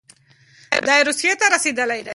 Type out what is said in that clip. دی روسيې ته رسېدلی دی.